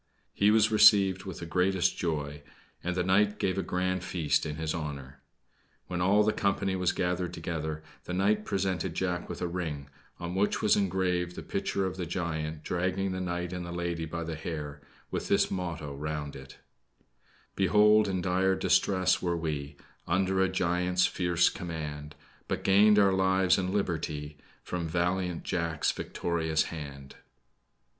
He was received with the greatest joy; and the knight gave a grand feast in his honor. When all the company was gathered together, the knight presented Jack with a ring, on which was engraved the picture of the giant dragging the knight and the lady by the hair, with this motto round it "Behold, in dire distress were we, Under a giant's fierce command, But gained our lives and liberty From valiant Jack's victorious hand."